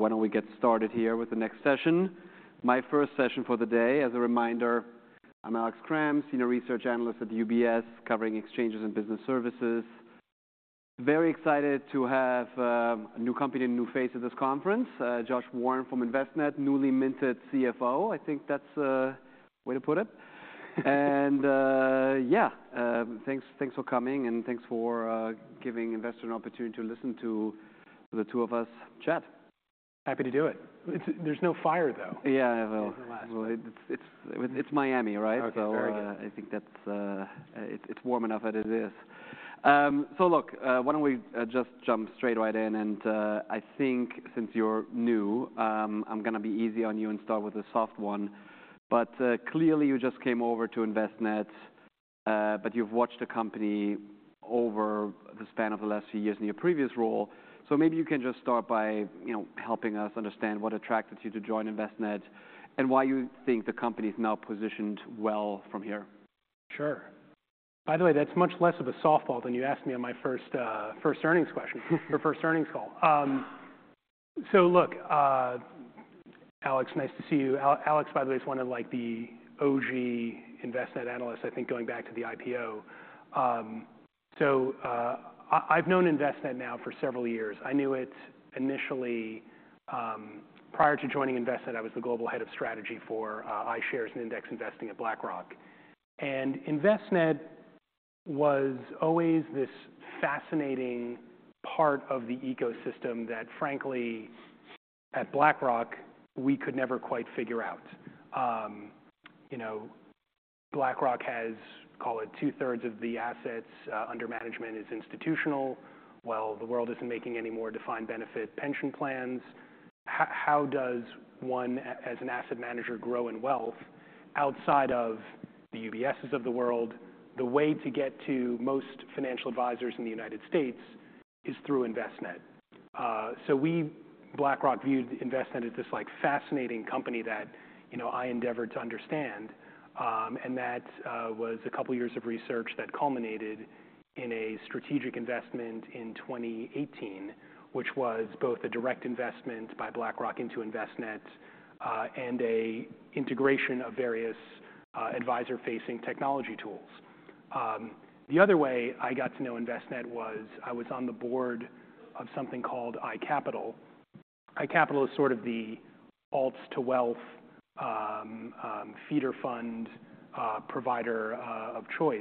Why don't we get started here with the next session? My first session for the day. As a reminder, I'm Alex Kramm, Senior Research Analyst at UBS, covering exchanges and business services. Very excited to have a new company and new face at this conference, Josh Warren from Envestnet, newly minted CFO. I think that's a way to put it. And yeah, thanks for coming, and thanks for giving investors an opportunity to listen to the two of us chat. Happy to do it. There's no fire, though. Yeah, there will. At the last. Well, it's Miami, right? So I think it's warm enough as it is. So look, why don't we just jump straight right in? And I think since you're new, I'm going to be easy on you and start with a soft one. But clearly, you just came over to Envestnet, but you've watched the company over the span of the last few years in your previous role. So maybe you can just start by helping us understand what attracted you to join Envestnet and why you think the company is now positioned well from here. Sure. By the way, that's much less of a softball than you asked me on my first earnings call. So look, Alex, nice to see you. Alex, by the way, is one of the OG Envestnet analysts, I think, going back to the IPO. So I've known Envestnet now for several years. I knew it initially prior to joining Envestnet. I was the global head of strategy for iShares and index investing at BlackRock. And Envestnet was always this fascinating part of the ecosystem that, frankly, at BlackRock, we could never quite figure out. BlackRock has, call it, two-thirds of the assets under management is institutional. Well, the world isn't making any more defined benefit pension plans. How does one, as an asset manager, grow in wealth outside of the UBSs of the world? The way to get to most financial advisors in the United States is through Envestnet. So BlackRock viewed Envestnet as this fascinating company that I endeavored to understand. That was a couple of years of research that culminated in a strategic investment in 2018, which was both a direct investment by BlackRock into Envestnet and an integration of various advisor-facing technology tools. The other way I got to know Envestnet was I was on the board of something called iCapital. iCapital is sort of the alts-to-wealth feeder fund provider of choice.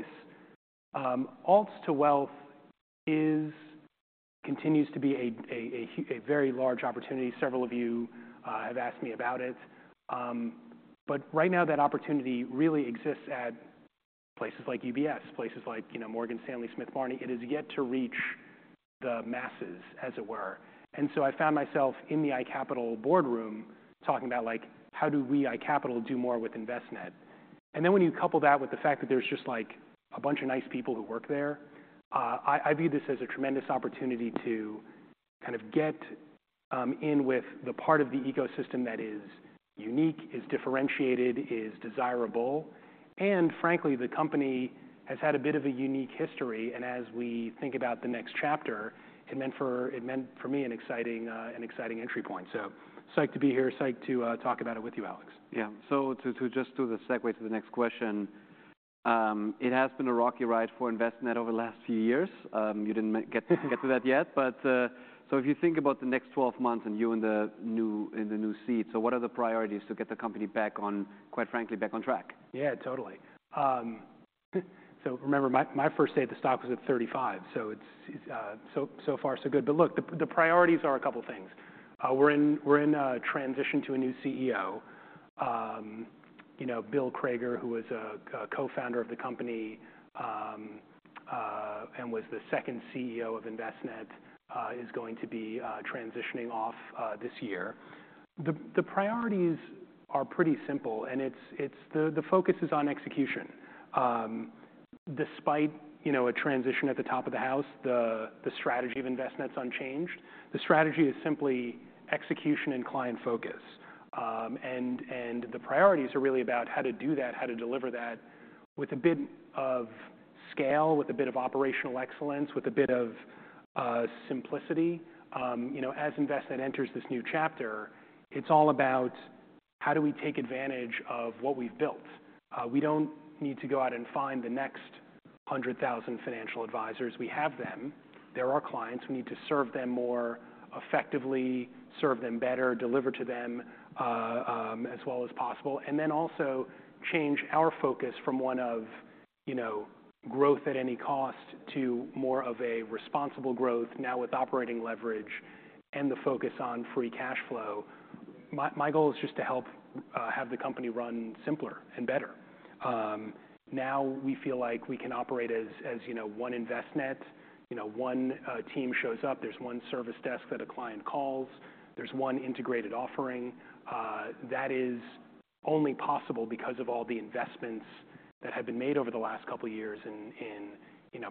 Alts-to-wealth continues to be a very large opportunity. Several of you have asked me about it. But right now, that opportunity really exists at places like UBS, places like Morgan Stanley, Smith Barney. It is yet to reach the masses, as it were. And so I found myself in the iCapital boardroom talking about, how do we, iCapital, do more with Envestnet? And then when you couple that with the fact that there's just a bunch of nice people who work there, I view this as a tremendous opportunity to kind of get in with the part of the ecosystem that is unique, is differentiated, is desirable. Frankly, the company has had a bit of a unique history. As we think about the next chapter, it meant for me an exciting entry point. Psyched to be here. Psyched to talk about it with you, Alex. Yeah. So to just do the segue to the next question, it has been a rocky ride for Envestnet over the last few years. You didn't get to that yet. But so if you think about the next 12 months and you in the new seat, so what are the priorities to get the company back on, quite frankly, back on track? Yeah, totally. So remember, my first day, the stock was at 35. So so far, so good. But look, the priorities are a couple of things. We're in transition to a new CEO. Bill Crager, who was a co-founder of the company and was the second CEO of Envestnet, is going to be transitioning off this year. The priorities are pretty simple. And the focus is on execution. Despite a transition at the top of the house, the strategy of Envestnet's unchanged. The strategy is simply execution and client focus. And the priorities are really about how to do that, how to deliver that with a bit of scale, with a bit of operational excellence, with a bit of simplicity. As Envestnet enters this new chapter, it's all about how do we take advantage of what we've built? We don't need to go out and find the next 100,000 financial advisors. We have them. They're our clients. We need to serve them more effectively, serve them better, deliver to them as well as possible, and then also change our focus from one of growth at any cost to more of a responsible growth, now with operating leverage and the focus on free cash flow. My goal is just to help have the company run simpler and better. Now we feel like we can operate as one Envestnet. One team shows up. There's one service desk that a client calls. There's one integrated offering. That is only possible because of all the investments that have been made over the last couple of years in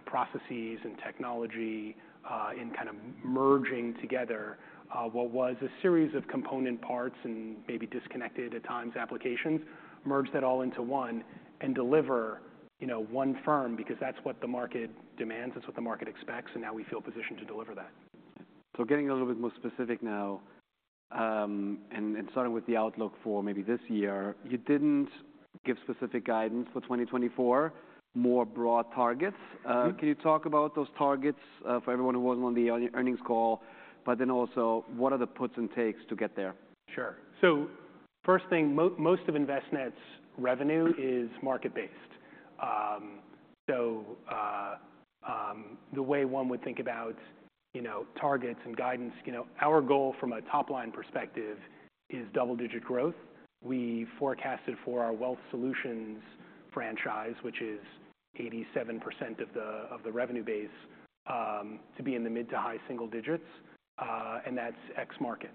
processes and technology, in kind of merging together what was a series of component parts and maybe disconnected at times applications, merged that all into one and deliver one firm because that's what the market demands. That's what the market expects. Now we feel positioned to deliver that. So getting a little bit more specific now and starting with the outlook for maybe this year, you didn't give specific guidance for 2024, more broad targets. Can you talk about those targets for everyone who wasn't on the earnings call? But then also, what are the puts and takes to get there? Sure. So first thing, most of Envestnet's revenue is market-based. So the way one would think about targets and guidance, our goal from a top-line perspective is double-digit growth. We forecasted for our Wealth Solutions franchise, which is 87% of the revenue base, to be in the mid to high single digits. And that's ex-market.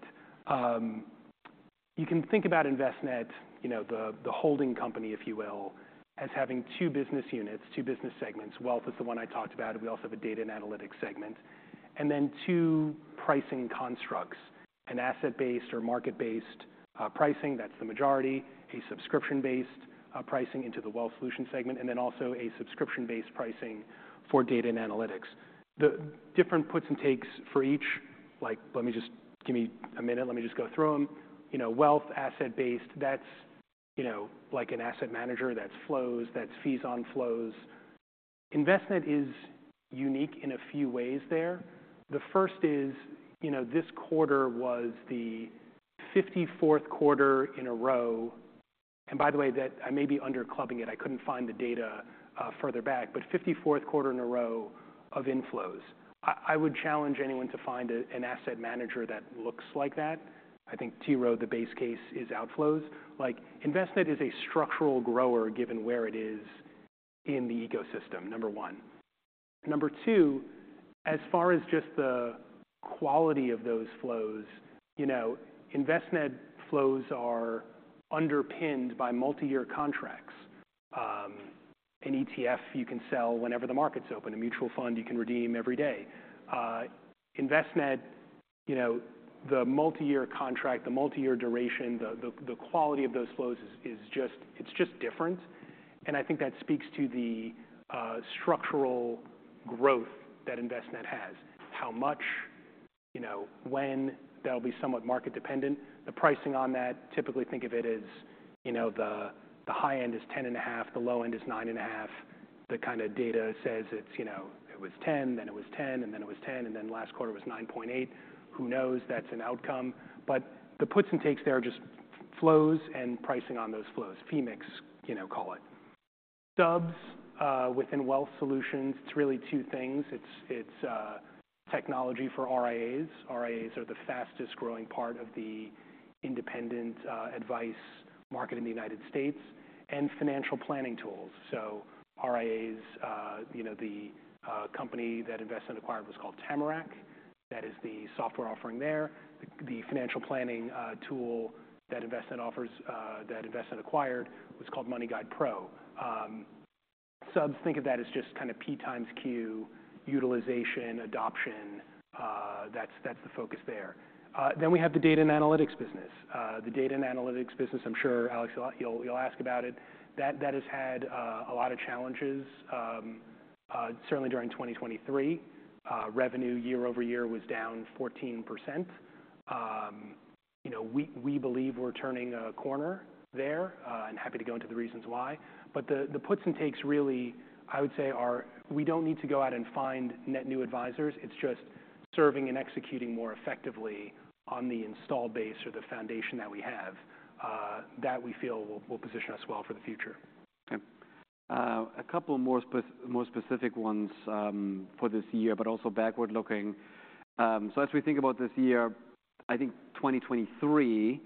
You can think about Envestnet, the holding company, if you will, as having two business units, two business segments. Wealth is the one I talked about. We also have a data and analytics segment. And then two pricing constructs, an asset-based or market-based pricing that's the majority, a subscription-based pricing into the Wealth Solutions segment, and then also a subscription-based pricing for data and analytics. The different puts and takes for each, let me just give me a minute. Let me just go through them. Wealth, asset-based, that's like an asset manager. That's flows. That's fees on flows. Envestnet is unique in a few ways there. The first is this quarter was the 54th quarter in a row and by the way, I may be understating it. I couldn't find the data further back. But 54th quarter in a row of inflows. I would challenge anyone to find an asset manager that looks like that. I think, T. Rowe, the base case is outflows. Envestnet is a structural grower given where it is in the ecosystem, number one. Number two, as far as just the quality of those flows, Envestnet flows are underpinned by multi-year contracts. An ETF, you can sell whenever the market's open. A mutual fund, you can redeem every day. Envestnet, the multi-year contract, the multi-year duration, the quality of those flows, it's just different. And I think that speaks to the structural growth that Envestnet has, how much, when. That'll be somewhat market-dependent. The pricing on that, typically, think of it as the high end is 10.5. The low end is 9.5. The kind of data says it was 10, then it was 10, and then it was 10, and then last quarter was 9.8. Who knows? That's an outcome. But the puts and takes there are just flows and pricing on those flows, fee mix, call it. Subs within Wealth Solutions, it's really two things. It's technology for RIAs. RIAs are the fastest-growing part of the independent advice market in the United States and financial planning tools. So RIAs, the company that Envestnet acquired was called Tamarac. That is the software offering there. The financial planning tool that Envestnet acquired was called MoneyGuidePro. Subs, think of that as just kind of P times Q, utilization, adoption. That's the focus there. Then we have the data and analytics business. The data and analytics business, I'm sure, Alex, you'll ask about it. That has had a lot of challenges, certainly during 2023. Revenue year-over-year was down 14%. We believe we're turning a corner there and happy to go into the reasons why. But the puts and takes, really, I would say, we don't need to go out and find net new advisors. It's just serving and executing more effectively on the installed base or the foundation that we have that we feel will position us well for the future. OK. A couple of more specific ones for this year, but also backward-looking. So as we think about this year, I think 2023,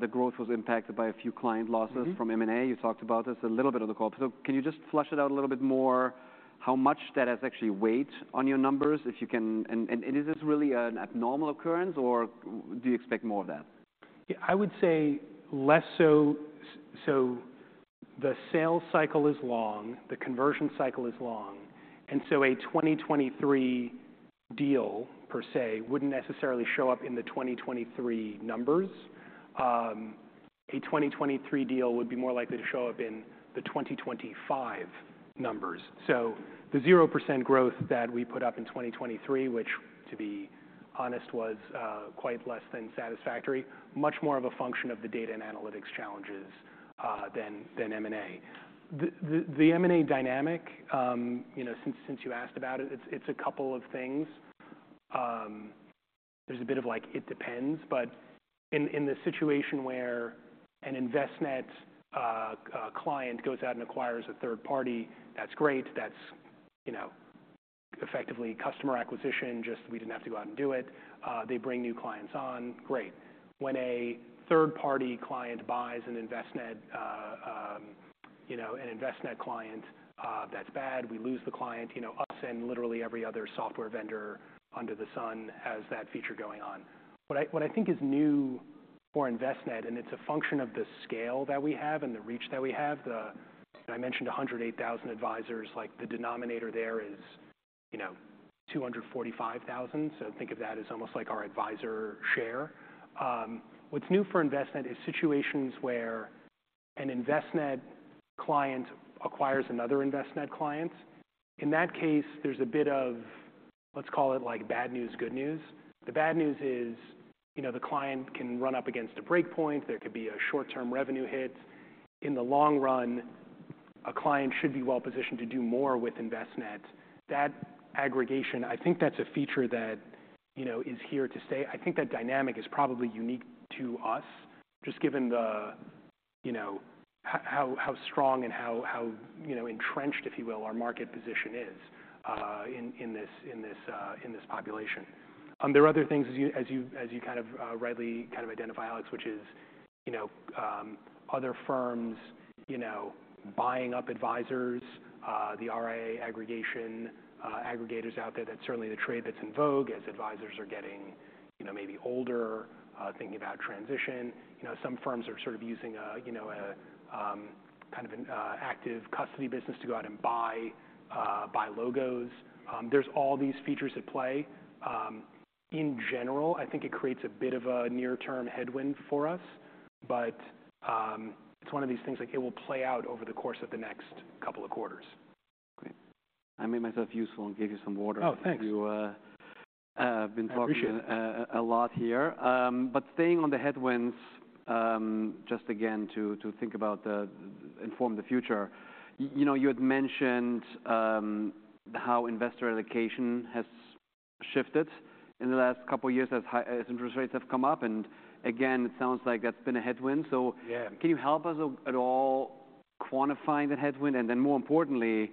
the growth was impacted by a few client losses from M&A. You talked about this a little bit on the call. So can you just flesh it out a little bit more, how much that has actually weighed on your numbers, if you can? And is this really an abnormal occurrence, or do you expect more of that? Yeah, I would say less so. So the sales cycle is long. The conversion cycle is long. And so a 2023 deal, per se, wouldn't necessarily show up in the 2023 numbers. A 2023 deal would be more likely to show up in the 2025 numbers. So the 0% growth that we put up in 2023, which, to be honest, was quite less than satisfactory, much more of a function of the data and analytics challenges than M&A. The M&A dynamic, since you asked about it, it's a couple of things. There's a bit of like it depends. But in the situation where an Envestnet client goes out and acquires a third party, that's great. That's effectively customer acquisition. Just we didn't have to go out and do it. They bring new clients on. Great. When a third-party client buys an Envestnet client, that's bad. We lose the client. Us and literally every other software vendor under the sun has that feature going on. What I think is new for Envestnet, and it's a function of the scale that we have and the reach that we have, I mentioned 108,000 advisors. The denominator there is 245,000. So think of that as almost like our advisor share. What's new for Envestnet is situations where an Envestnet client acquires another Envestnet client. In that case, there's a bit of, let's call it, bad news, good news. The bad news is the client can run up against a breakpoint. There could be a short-term revenue hit. In the long run, a client should be well-positioned to do more with Envestnet. That aggregation, I think that's a feature that is here to stay. I think that dynamic is probably unique to us, just given how strong and how entrenched, if you will, our market position is in this population. There are other things, as you kind of rightly kind of identify, Alex, which is other firms buying up advisors, the RIA aggregation, aggregators out there. That's certainly the trade that's in vogue as advisors are getting maybe older, thinking about transition. Some firms are sort of using kind of an active custody business to go out and buy logos. There's all these features at play. In general, I think it creates a bit of a near-term headwind for us. But it's one of these things. It will play out over the course of the next couple of quarters. Great. I made myself useful and gave you some water. Oh, thanks. We've been talking a lot here. But staying on the headwinds, just again, to think about inform the future, you had mentioned how investor allocation has shifted in the last couple of years as interest rates have come up. And again, it sounds like that's been a headwind. So can you help us at all quantifying that headwind? And then more importantly,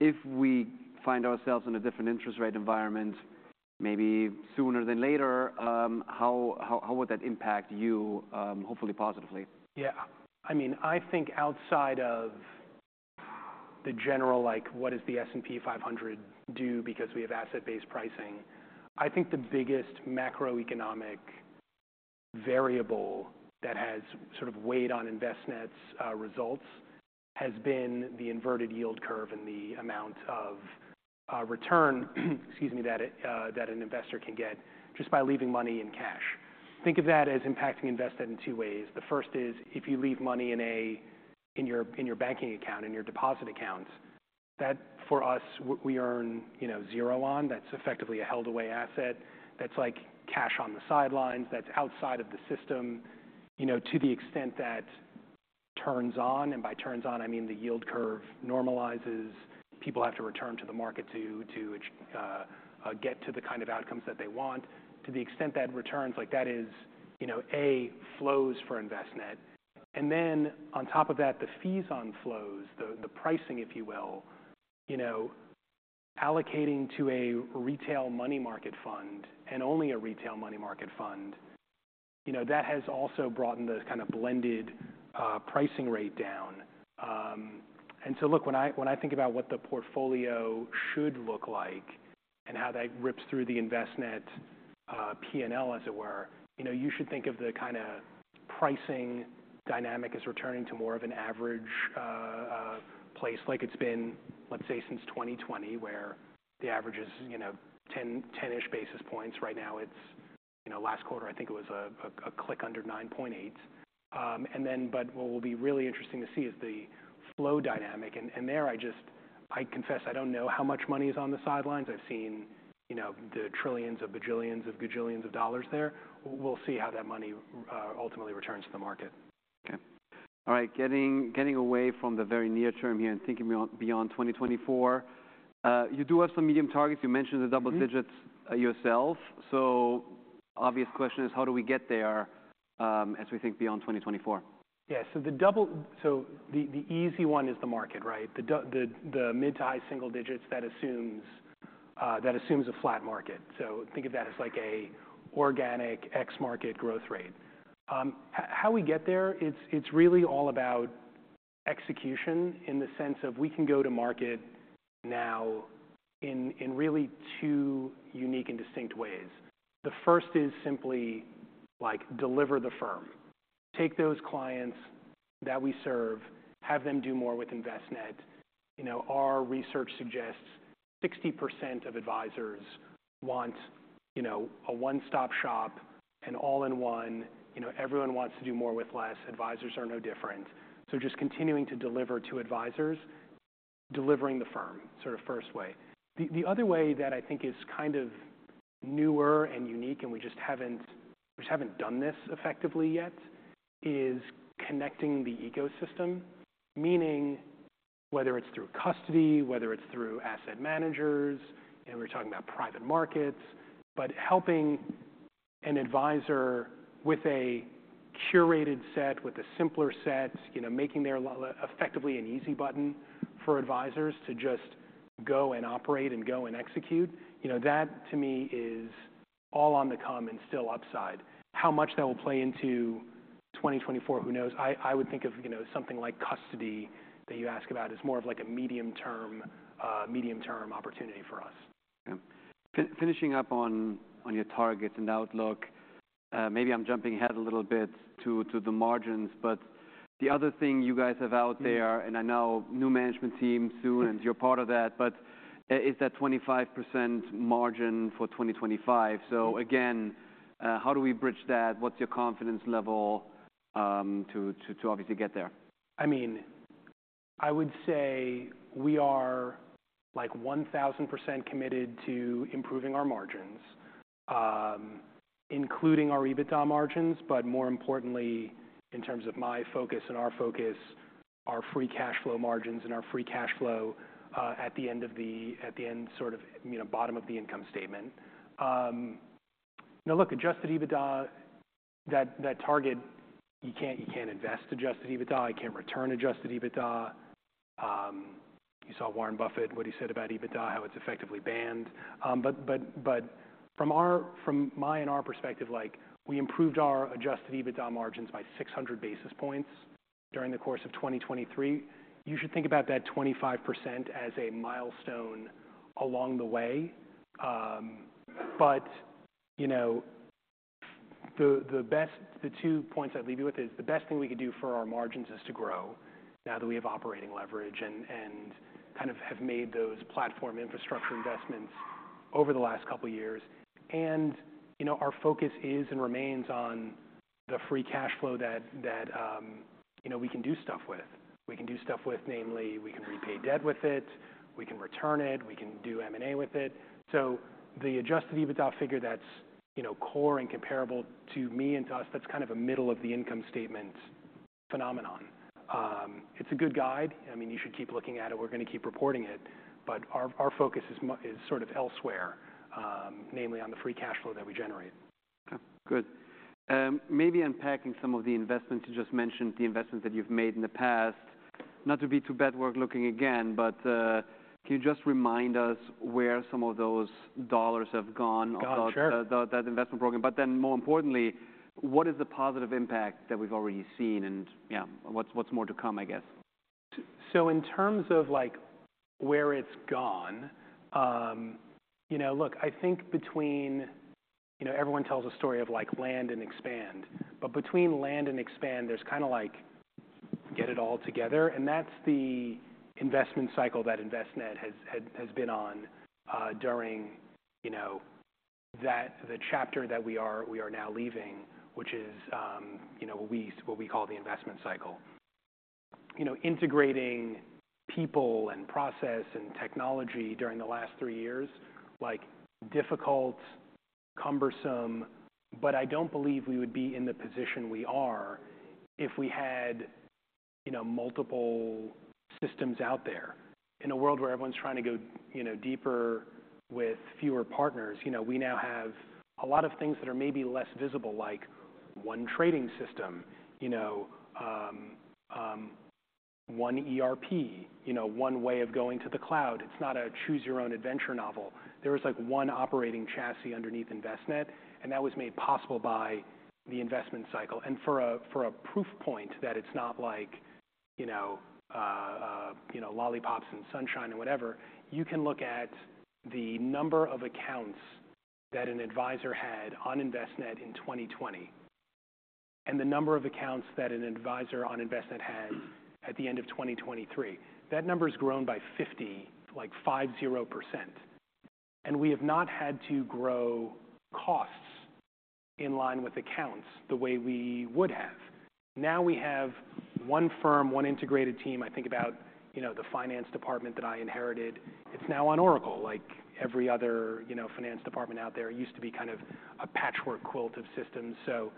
if we find ourselves in a different interest rate environment, maybe sooner than later, how would that impact you, hopefully positively? Yeah. I mean, I think outside of the general what does the S&P 500 do because we have asset-based pricing, I think the biggest macroeconomic variable that has sort of weighed on Envestnet's results has been the inverted yield curve and the amount of return that an investor can get just by leaving money in cash. Think of that as impacting Envestnet in two ways. The first is if you leave money in your banking account, in your deposit account, that, for us, we earn zero on. That's effectively a held-away asset. That's like cash on the sidelines. That's outside of the system to the extent that turns on. And by turns on, I mean the yield curve normalizes. People have to return to the market to get to the kind of outcomes that they want. To the extent that returns, that is, A, flows for Envestnet. And then on top of that, the fees on flows, the pricing, if you will, allocating to a retail money market fund and only a retail money market fund, that has also brought the kind of blended pricing rate down. And so look, when I think about what the portfolio should look like and how that rips through the Envestnet P&L, as it were, you should think of the kind of pricing dynamic as returning to more of an average place, like it's been, let's say, since 2020, where the average is 10-ish basis points. Right now, last quarter, I think it was a click under 9.8. But what will be really interesting to see is the flow dynamic. And there, I confess, I don't know how much money is on the sidelines. I've seen the trillions of bajillions of gajillions of dollars there. We'll see how that money ultimately returns to the market. OK. All right. Getting away from the very near term here and thinking beyond 2024, you do have some medium targets. You mentioned the double digits yourself. So obvious question is, how do we get there as we think beyond 2024? Yeah. So the easy one is the market, right? The mid- to high-single digits, that assumes a flat market. So think of that as like an organic ex-market growth rate. How we get there, it's really all about execution in the sense of we can go to market now in really two unique and distinct ways. The first is simply deliver the firm. Take those clients that we serve. Have them do more with Envestnet. Our research suggests 60% of advisors want a one-stop shop and all-in-one. Everyone wants to do more with less. Advisors are no different. So just continuing to deliver to advisors, delivering the firm, sort of first way. The other way that I think is kind of newer and unique, and we just haven't done this effectively yet, is connecting the ecosystem, meaning whether it's through custody, whether it's through asset managers we're talking about private markets but helping an advisor with a curated set, with a simpler set, making there effectively an easy button for advisors to just go and operate and go and execute. That, to me, is all on the come and still upside. How much that will play into 2024, who knows? I would think of something like custody that you ask about as more of like a medium-term opportunity for us. OK. Finishing up on your targets and outlook, maybe I'm jumping ahead a little bit to the margins. But the other thing you guys have out there, and I know new management team soon, and you're part of that, but is that 25% margin for 2025? So again, how do we bridge that? What's your confidence level to obviously get there? I mean, I would say we are like 1,000% committed to improving our margins, including our EBITDA margins. But more importantly, in terms of my focus and our focus, our free cash flow margins and our free cash flow at the end, sort of bottom of the income statement. Now look, adjusted EBITDA, that target, you can't invest adjusted EBITDA. You can't return adjusted EBITDA. You saw Warren Buffett, what he said about EBITDA, how it's effectively banned. But from my and our perspective, we improved our adjusted EBITDA margins by 600 basis points during the course of 2023. You should think about that 25% as a milestone along the way. But the two points I'd leave you with is the best thing we could do for our margins is to grow now that we have operating leverage and kind of have made those platform infrastructure investments over the last couple of years. And our focus is and remains on the free cash flow that we can do stuff with. We can do stuff with, namely, we can repay debt with it. We can return it. We can do M&A with it. So the adjusted EBITDA figure that's core and comparable to me and to us, that's kind of a middle-of-the-income statement phenomenon. It's a good guide. I mean, you should keep looking at it. We're going to keep reporting it. But our focus is sort of elsewhere, namely on the free cash flow that we generate. OK. Good. Maybe unpacking some of the investments you just mentioned, the investments that you've made in the past, not to be too backward-looking again, but can you just remind us where some of those dollars have gone of that investment program? But then more importantly, what is the positive impact that we've already seen? And yeah, what's more to come, I guess? So in terms of where it's gone, look, I think between everyone tells a story of land and expand. But between land and expand, there's kind of like get it all together. And that's the investment cycle that Envestnet has been on during the chapter that we are now leaving, which is what we call the investment cycle, integrating people and process and technology during the last three years, difficult, cumbersome. But I don't believe we would be in the position we are if we had multiple systems out there. In a world where everyone's trying to go deeper with fewer partners, we now have a lot of things that are maybe less visible, like one trading system, one ERP, one way of going to the cloud. It's not a choose-your-own-adventure novel. There was like one operating chassis underneath Envestnet. And that was made possible by the investment cycle. For a proof point that it's not like lollipops and sunshine and whatever, you can look at the number of accounts that an advisor had on Envestnet in 2020 and the number of accounts that an advisor on Envestnet had at the end of 2023. That number has grown by 50%. We have not had to grow costs in line with accounts the way we would have. Now we have one firm, one integrated team. I think about the finance department that I inherited. It's now on Oracle, like every other finance department out there. It used to be kind of a patchwork quilt of systems. So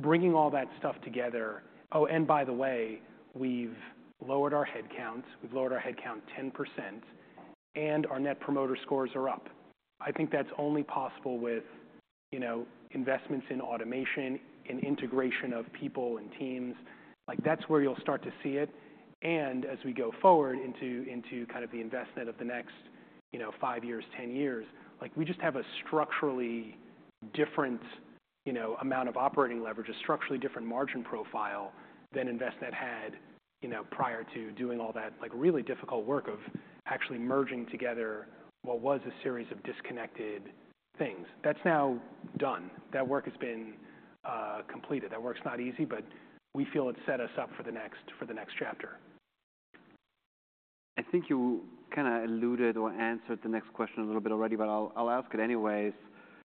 bringing all that stuff together, oh, and by the way, we've lowered our headcount. We've lowered our headcount 10%. Our Net Promoter Scores are up. I think that's only possible with investments in automation, in integration of people and teams. That's where you'll start to see it. And as we go forward into kind of the Envestnet of the next five years, 10 years, we just have a structurally different amount of operating leverage, a structurally different margin profile than Envestnet had prior to doing all that really difficult work of actually merging together what was a series of disconnected things. That's now done. That work has been completed. That work's not easy. But we feel it's set us up for the next chapter. I think you kind of alluded or answered the next question a little bit already. I'll ask it anyways.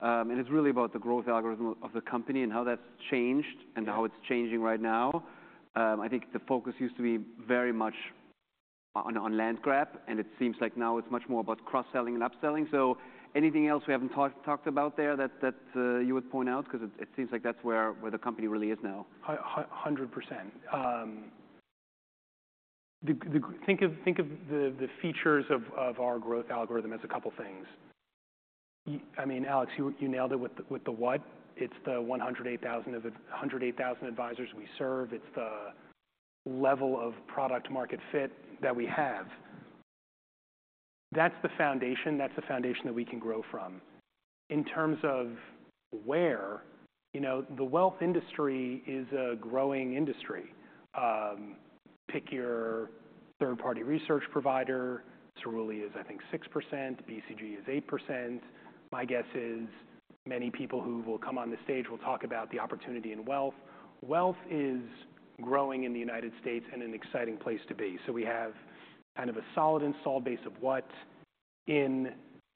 It's really about the growth algorithm of the company and how that's changed and how it's changing right now. I think the focus used to be very much on land grab. It seems like now it's much more about cross-selling and upselling. Anything else we haven't talked about there that you would point out? Because it seems like that's where the company really is now. 100%. Think of the features of our growth algorithm as a couple of things. I mean, Alex, you nailed it with the what. It's the 108,000 advisors we serve. It's the level of product-market fit that we have. That's the foundation. That's the foundation that we can grow from. In terms of where, the wealth industry is a growing industry. Pick your third-party research provider. Cerulli is, I think, 6%. BCG is 8%. My guess is many people who will come on the stage will talk about the opportunity in wealth. Wealth is growing in the United States and an exciting place to be. So we have kind of a solid installed base of what in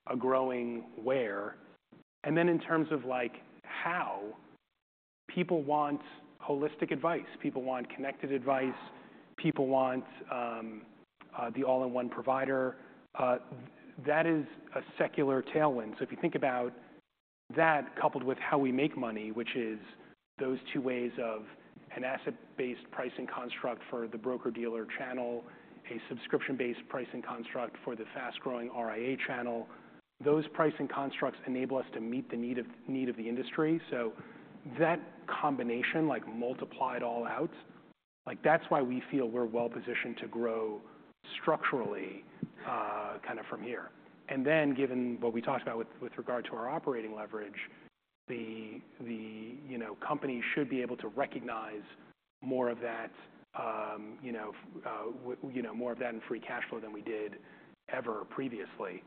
a growing where. And then in terms of how, people want holistic advice. People want connected advice. People want the all-in-one provider. That is a secular tailwind. So if you think about that coupled with how we make money, which is those two ways of an asset-based pricing construct for the broker-dealer channel, a subscription-based pricing construct for the fast-growing RIA channel, those pricing constructs enable us to meet the need of the industry. So that combination, multiplied all out, that's why we feel we're well-positioned to grow structurally kind of from here. And then given what we talked about with regard to our operating leverage, the company should be able to recognize more of that, more of that in free cash flow than we did ever previously.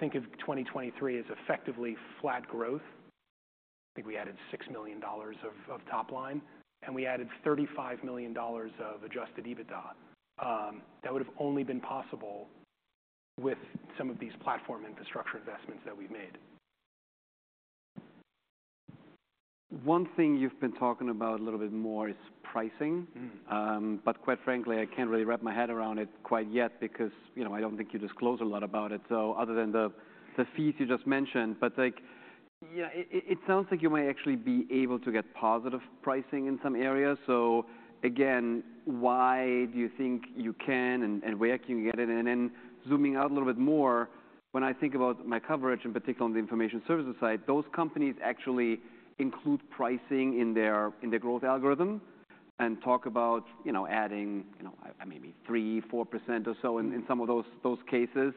Think of 2023 as effectively flat growth. I think we added $6 million of top line. And we added $35 million of adjusted EBITDA. That would have only been possible with some of these platform infrastructure investments that we've made. One thing you've been talking about a little bit more is pricing. But quite frankly, I can't really wrap my head around it quite yet because I don't think you disclose a lot about it, other than the fees you just mentioned. But it sounds like you may actually be able to get positive pricing in some areas. So again, why do you think you can, and where can you get it? And then zooming out a little bit more, when I think about my coverage, in particular on the information services side, those companies actually include pricing in their growth algorithm and talk about adding maybe 3%, 4% or so in some of those cases.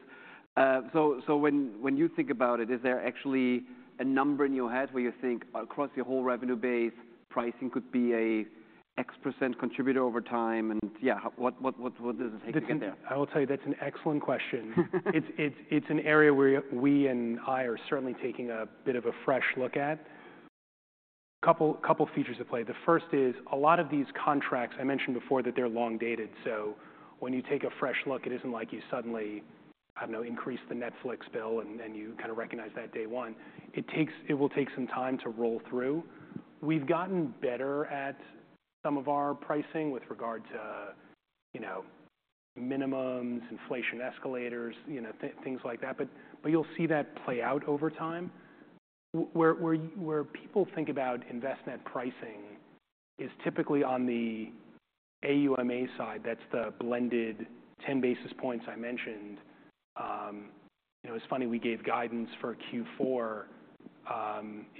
So when you think about it, is there actually a number in your head where you think, across your whole revenue base, pricing could be an X% contributor over time? Yeah, what does it take to get there? I will tell you, that's an excellent question. It's an area where we and I are certainly taking a bit of a fresh look at. A couple of features at play. The first is a lot of these contracts, I mentioned before that they're long-dated. So when you take a fresh look, it isn't like you suddenly increase the Netflix bill and you kind of recognize that day one. It will take some time to roll through. We've gotten better at some of our pricing with regard to minimums, inflation escalators, things like that. But you'll see that play out over time. Where people think about Envestnet pricing is typically on the AUMA side. That's the blended 10 basis points I mentioned. It's funny, we gave guidance for Q4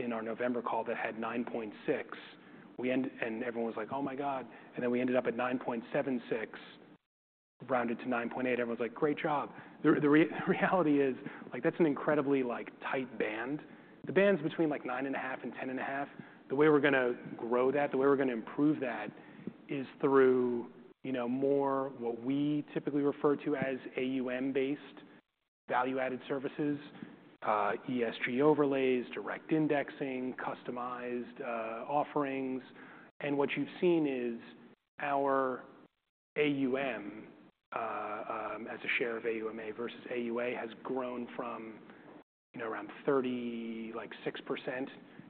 in our November call that had 9.6. Everyone was like, oh, my god. And then we ended up at 9.76, rounded to 9.8. Everyone's like, great job. The reality is that's an incredibly tight band. The band's between 9.5 and 10.5. The way we're going to grow that, the way we're going to improve that, is through more what we typically refer to as AUM-based value-added services, ESG overlays, direct indexing, customized offerings. And what you've seen is our AUM as a share of AUMA versus AUA has grown from around 36%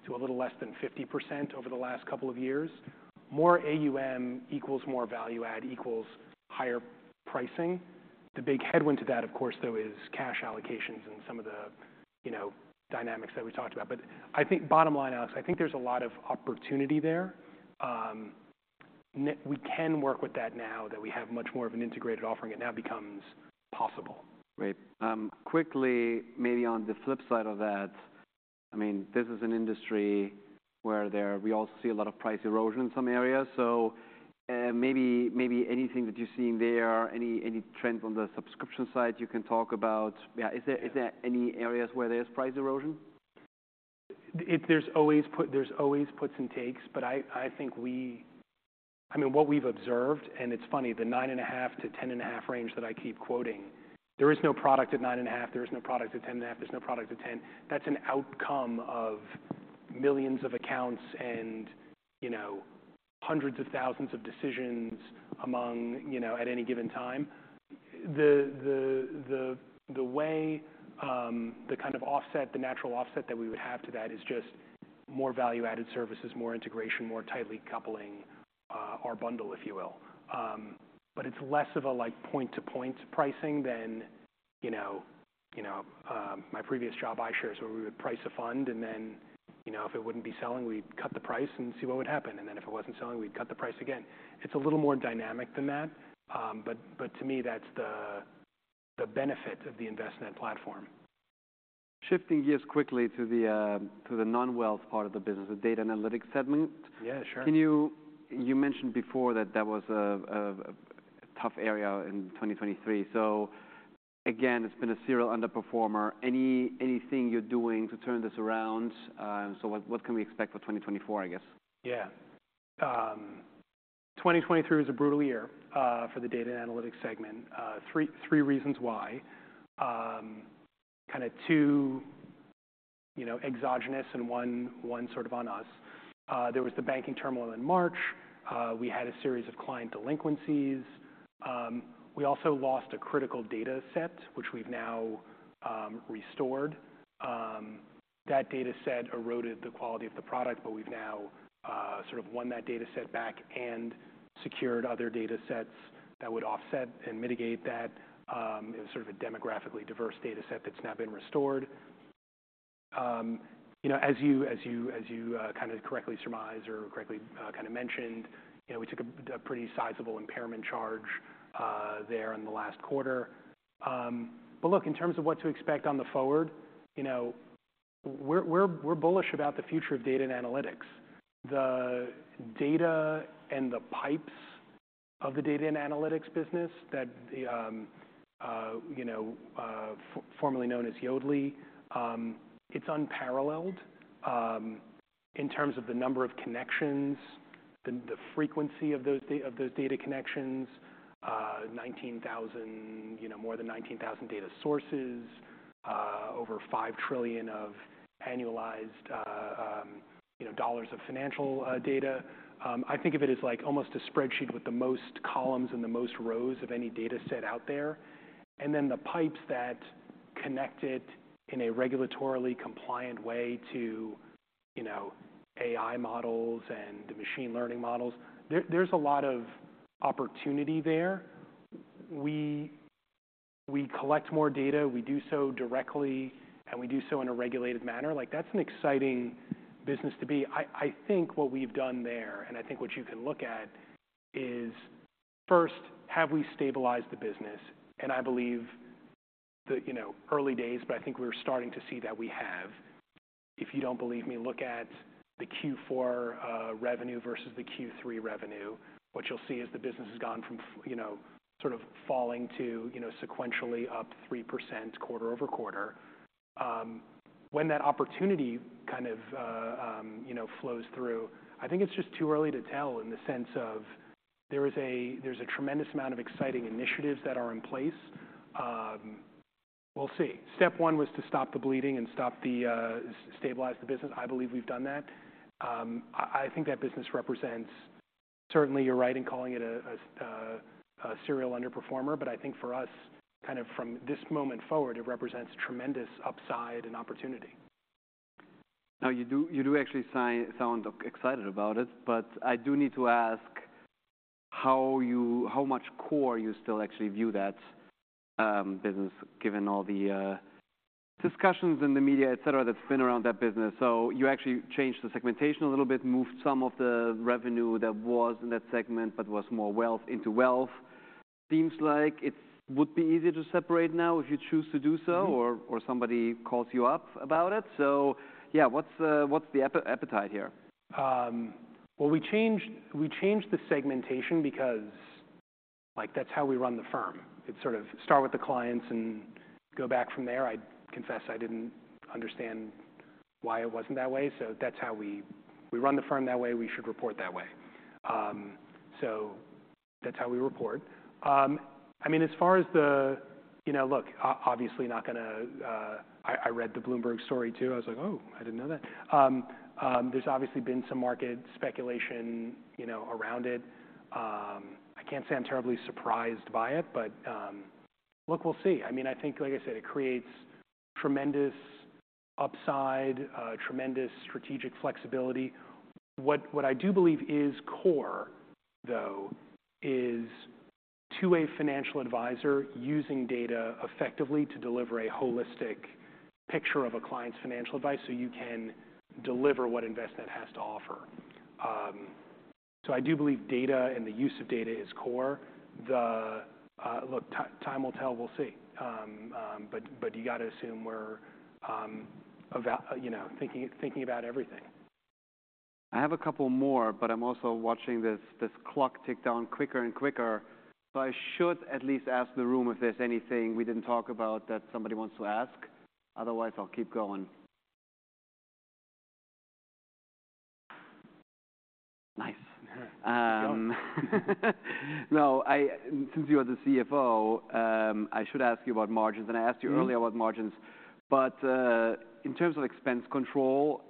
to a little less than 50% over the last couple of years. More AUM equals more value-add equals higher pricing. The big headwind to that, of course, though, is cash allocations and some of the dynamics that we talked about. But I think bottom line, Alex, I think there's a lot of opportunity there. We can work with that now, that we have much more of an integrated offering. It now becomes possible. Right. Quickly, maybe on the flip side of that, I mean, this is an industry where we also see a lot of price erosion in some areas. So maybe anything that you're seeing there, any trends on the subscription side you can talk about? Yeah, is there any areas where there's price erosion? There's always puts and takes. But I think we—I mean, what we've observed and it's funny, the 9.5-10.5 range that I keep quoting, there is no product at 9.5. There is no product at 10.5. There's no product at 10. That's an outcome of millions of accounts and hundreds of thousands of decisions at any given time. The way the kind of offset, the natural offset that we would have to that is just more value-added services, more integration, more tightly coupling our bundle, if you will. But it's less of a point-to-point pricing than my previous job, iShares, where we would price a fund. And then if it wouldn't be selling, we'd cut the price and see what would happen. And then if it wasn't selling, we'd cut the price again. It's a little more dynamic than that. But to me, that's the benefit of the Envestnet platform. Shifting gears quickly to the non-wealth part of the business, the data analytics segment. Yeah, sure. You mentioned before that that was a tough area in 2023. So again, it's been a serial underperformer. Anything you're doing to turn this around? So what can we expect for 2024, I guess? Yeah. 2023 was a brutal year for the data analytics segment. Three reasons why. Kind of two exogenous and one sort of on us. There was the banking turmoil in March. We had a series of client delinquencies. We also lost a critical data set, which we've now restored. That data set eroded the quality of the product. But we've now sort of won that data set back and secured other data sets that would offset and mitigate that. It was sort of a demographically diverse data set that's now been restored. As you kind of correctly surmise or correctly kind of mentioned, we took a pretty sizable impairment charge there in the last quarter. But look, in terms of what to expect on the forward, we're bullish about the future of data and analytics. The data and the pipes of the data and analytics business, formerly known as Yodlee, it's unparalleled in terms of the number of connections, the frequency of those data connections, more than 19,000 data sources, over $5 trillion of annualized dollars of financial data. I think of it as almost a spreadsheet with the most columns and the most rows of any data set out there. And then the pipes that connect it in a regulatorily compliant way to AI models and machine learning models, there's a lot of opportunity there. We collect more data. We do so directly. And we do so in a regulated manner. That's an exciting business to be. I think what we've done there and I think what you can look at is, first, have we stabilized the business? And I believe the early days, but I think we're starting to see that we have. If you don't believe me, look at the Q4 revenue versus the Q3 revenue. What you'll see is the business has gone from sort of falling to sequentially up 3% quarter-over-quarter. When that opportunity kind of flows through, I think it's just too early to tell in the sense of there's a tremendous amount of exciting initiatives that are in place. We'll see. Step one was to stop the bleeding and stabilize the business. I believe we've done that. I think that business represents certainly, you're right in calling it a serial underperformer. But I think for us, kind of from this moment forward, it represents tremendous upside and opportunity. Now, you do actually sound excited about it. But I do need to ask how much core you still actually view that business, given all the discussions in the media, et cetera, that's been around that business. So you actually changed the segmentation a little bit, moved some of the revenue that was in that segment but was more wealth into wealth. Seems like it would be easier to separate now if you choose to do so or somebody calls you up about it. So yeah, what's the appetite here? Well, we changed the segmentation because that's how we run the firm. It's sort of start with the clients and go back from there. I confess I didn't understand why it wasn't that way. So that's how we run the firm that way. We should report that way. So that's how we report. I mean, as far as the look, obviously, not going to. I read the Bloomberg story, too. I was like, oh, I didn't know that. There's obviously been some market speculation around it. I can't say I'm terribly surprised by it. But look, we'll see. I mean, I think, like I said, it creates tremendous upside, tremendous strategic flexibility. What I do believe is core, though, is two-way financial advisor using data effectively to deliver a holistic picture of a client's financial advice so you can deliver what Envestnet has to offer. So I do believe data and the use of data is core. Look, time will tell. We'll see. But you've got to assume we're thinking about everything. I have a couple more. But I'm also watching this clock tick down quicker and quicker. So I should at least ask the room if there's anything we didn't talk about that somebody wants to ask. Otherwise, I'll keep going. Nice. Yeah. Now, since you are the CFO, I should ask you about margins. I asked you earlier about margins. In terms of expense control,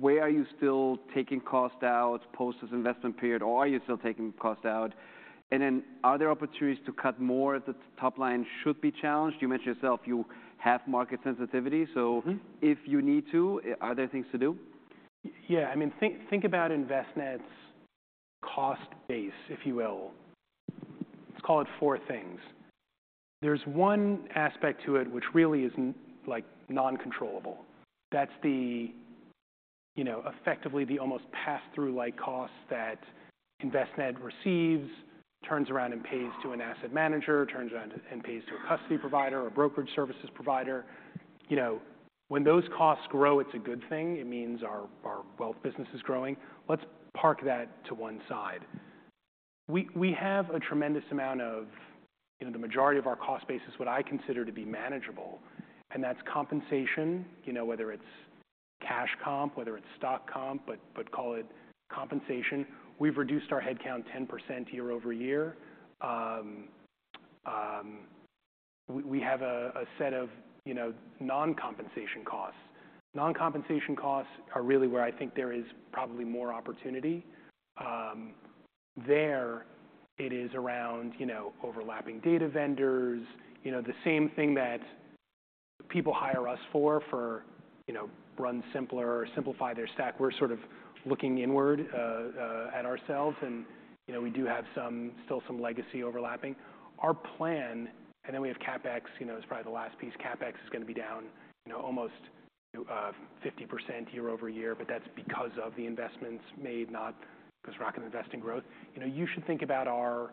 where are you still taking cost out post this investment period? Or are you still taking cost out? Are there opportunities to cut more if the top line should be challenged? You mentioned yourself you have market sensitivity. If you need to, are there things to do? Yeah. I mean, think about Envestnet's cost base, if you will. Let's call it four things. There's one aspect to it which really is non-controllable. That's effectively the almost pass-through-like costs that Envestnet receives, turns around, and pays to an asset manager, turns around, and pays to a custody provider, a brokerage services provider. When those costs grow, it's a good thing. It means our wealth business is growing. Let's park that to one side. We have a tremendous amount of the majority of our cost base is what I consider to be manageable. And that's compensation, whether it's cash comp, whether it's stock comp, but call it compensation. We've reduced our headcount 10% year-over-year. We have a set of non-compensation costs. Non-compensation costs are really where I think there is probably more opportunity. There it is around overlapping data vendors, the same thing that people hire us for, run simpler, simplify their stack. We're sort of looking inward at ourselves. And we do have still some legacy overlapping. Our plan and then we have CapEx is probably the last piece. CapEx is going to be down almost 50% year-over-year. But that's because of the investments made, not because we're not going to invest in growth. You should think about our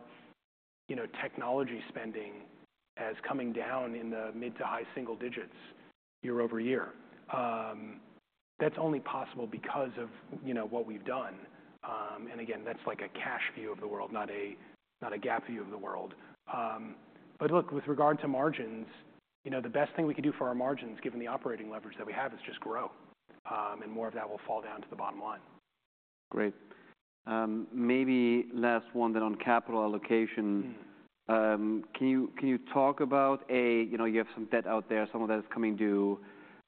technology spending as coming down in the mid- to high-single digits year-over-year. That's only possible because of what we've done. And again, that's like a cash view of the world, not a GAAP view of the world. But look, with regard to margins, the best thing we can do for our margins, given the operating leverage that we have, is just grow. More of that will fall down to the bottom line. Great. Maybe last one, then on capital allocation. Can you talk about how you have some debt out there. Some of that is coming due.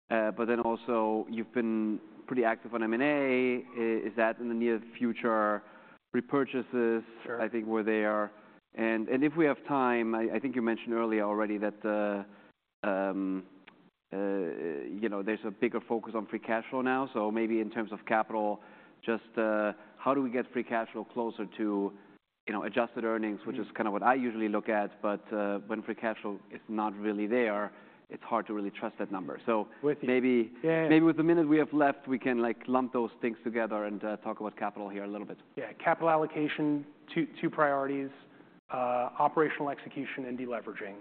But then also, you've been pretty active on M&A. Is that in the near future? Repurchases, I think, where they are. And if we have time, I think you mentioned earlier already that there's a bigger focus on free cash flow now. So maybe in terms of capital, just how do we get free cash flow closer to adjusted earnings, which is kind of what I usually look at? But when free cash flow is not really there, it's hard to really trust that number. So maybe with the minute we have left, we can lump those things together and talk about capital here a little bit. Yeah. Capital allocation, two priorities, operational execution, and deleveraging.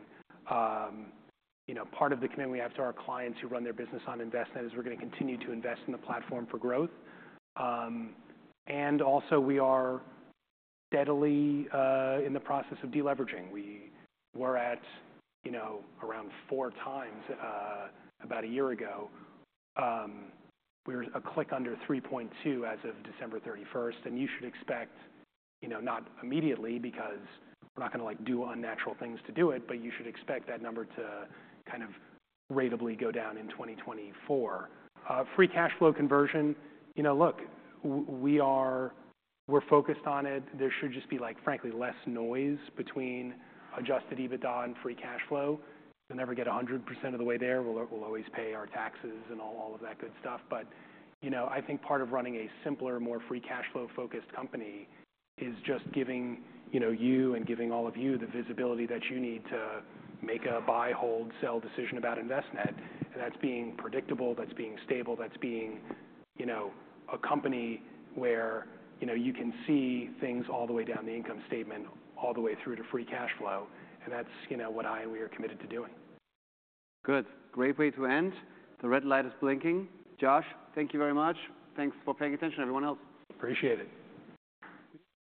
Part of the commitment we have to our clients who run their business on Envestnet is we're going to continue to invest in the platform for growth. And also, we are steadily in the process of deleveraging. We were at around 4x about a year ago. We were a tick under 3.2 as of December 31. And you should expect not immediately because we're not going to do unnatural things to do it. But you should expect that number to kind of ratably go down in 2024. Free cash flow conversion, look, we're focused on it. There should just be, frankly, less noise between adjusted EBITDA and free cash flow. We'll never get 100% of the way there. We'll always pay our taxes and all of that good stuff. But I think part of running a simpler, more free cash flow focused company is just giving you and giving all of you the visibility that you need to make a buy, hold, sell decision about Envestnet. That's being predictable. That's being stable. That's being a company where you can see things all the way down the income statement, all the way through to free cash flow. That's what I and we are committed to doing. Good. Great way to end. The red light is blinking. Josh, thank you very much. Thanks for paying attention, everyone else. Appreciate it.